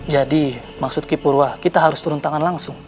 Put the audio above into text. jadi maksud ki purwa kita harus turun tangan langsung